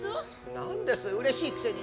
何ですうれしいくせに。